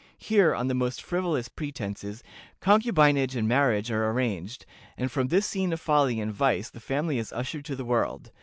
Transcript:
Here, on the most frivolous pretenses, concubinage and marriage are arranged, and from this scene of folly and vice the family is ushered to the world.